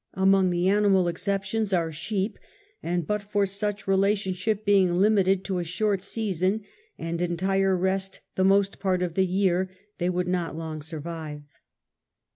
Among the animal exceptions are sheep, and but for :8uch relationship being limited to a short season, and <entire rest the most part of the year, the}^ would not long survive.